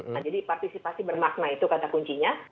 nah jadi partisipasi bermakna itu kata kuncinya